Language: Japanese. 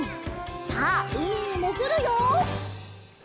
さあうみにもぐるよ！